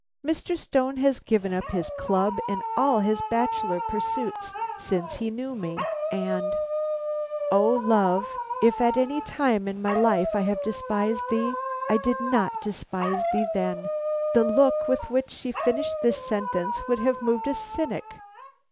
Mr. Stone has given up his club and all his bachelor pursuits since he knew me, and " O love, if at any time in my life I have despised thee, I did not despise thee then! The look with which she finished this sentence would have moved a cynic.